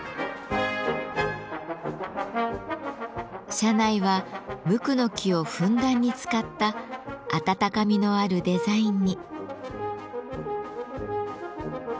車内はムクの木をふんだんに使ったあたたかみのあるデザインに。